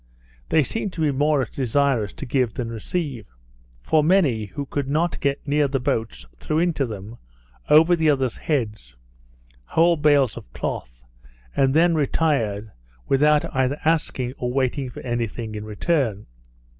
They seemed to be more desirous to give than receive; for many who could not get near the boats, threw into them, over the others heads, whole bales of cloth, and then retired, without either asking, or waiting for any thing in return.